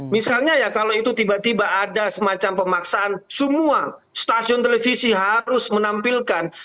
misalnya ya kalau itu tiba tiba ada semacam pemaksaan semua stasiun televisi harus menampilkan